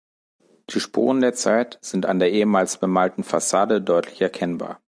Die Spuren der Zeit sind an der ehemals bemalten Fassade deutlich erkennbar.